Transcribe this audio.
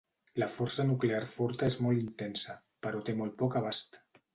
La força nuclear forta és molt intensa, però té molt poc abast.